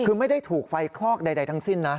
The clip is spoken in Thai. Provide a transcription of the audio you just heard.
คือไม่ได้ถูกไฟคลอกใดทั้งสิ้นนะ